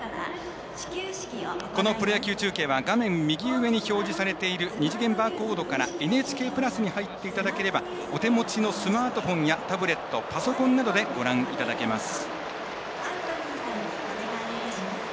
このプロ野球中継は画面右上に表示されている二次元バーコードからＮＨＫプラスに入っていただければお手持ちのスマートフォンやタブレットパソコンなどでご覧いただけます。